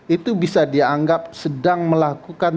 itu bisa dianggap sedang melakukan